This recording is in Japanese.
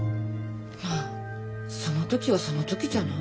まぁその時はその時じゃない？